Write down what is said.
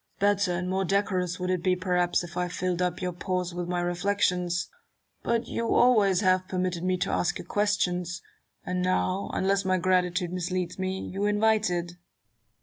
Newton. Better and more decorous would it be, perhaps, if I filled up your pause with my reflections : but you always have permitted me to ask you questions ; and now, unless my gratitude misleads me, you invite it.